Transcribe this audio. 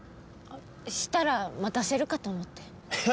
したら待たせるかと思っていや